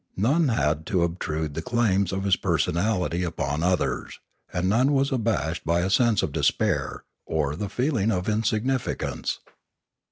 None had to obtrude the claims of his personality upon others; and none was abashed by a sense of despair, or the feeling of insignificance.